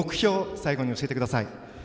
最後に教えてください。